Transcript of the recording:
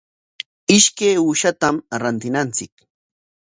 Ishkay uushatam rantinanchik.